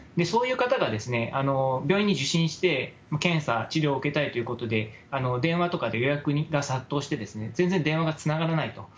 そういう方が病院に受診して、検査、治療を受けたいということで、電話とかで予約が殺到して、全然電話がつながらないと。